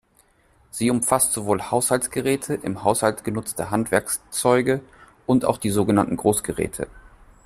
Sie umfasst sowohl Haushaltsgeräte, im Haushalt genutzte Handwerkzeuge und auch die sogenannten Großgeräte.